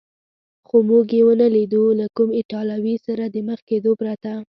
خو موږ یې و نه لیدو، له کوم ایټالوي سره د مخ کېدو پرته.